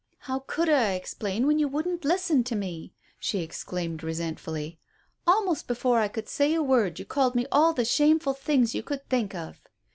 "How could I explain when you wouldn't listen to me?" she exclaimed resentfully. "Almost before I could say a word you called me all the shameful things you could think of.